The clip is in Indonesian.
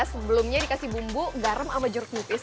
sebelumnya dikasih bumbu garam sama jeruk nipis